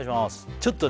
ちょっとね